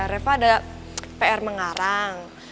reva ada pr mengarang